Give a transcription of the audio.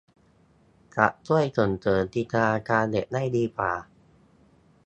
จะช่วยส่งเสริมจินตนาการเด็กได้ดีกว่า